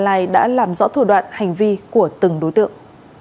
công an tỉnh gia lai đã làm rõ thủ đoạn hành vi của từng đối tượng